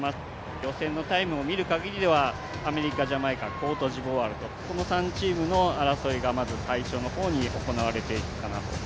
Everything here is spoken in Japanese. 予選のタイムを見る限りではアメリカ、ジャマイカ、コートジボワールとその３チームの争いがまず最初の方に行われていくかなと。